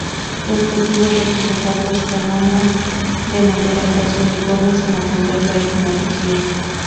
Su objetivo es representar los fonemas de manera casi uniforme, sin atender la etimología.